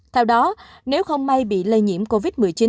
theo đó nếu không may bị lây nhiễm covid một mươi chín